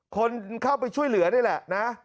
คนเข้าไปช่วยเหลือนี่แหละนะ